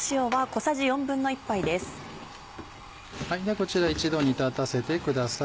こちら一度煮立たせてください。